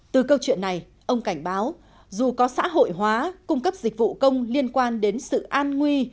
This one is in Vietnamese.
từ câu chuyện này ông cảnh báo dù có xã hội hóa cung cấp dịch vụ công liên quan đến sự an nguy